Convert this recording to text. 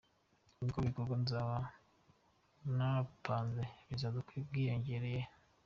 Ubwo ibikorwa nzaba napanze bizaba byiyongereye.